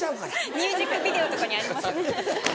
・ミュージックビデオとかにありますね・